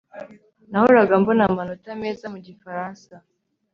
Nahoraga mbona amanota meza mugifaransa